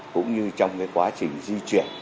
cũng như trong quá trình di chuyển